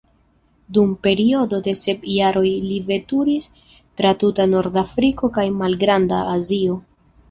Dum periodo de sep jaroj li veturis tra tuta Nordafriko kaj Malgranda Azio.